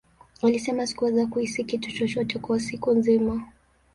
Alisema, Sikuweza kuhisi kitu chochote kwa siku nzima.